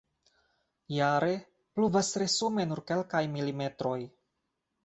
Jare pluvas resume nur kelkaj mm.